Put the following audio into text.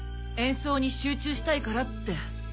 演奏に集中したいからって。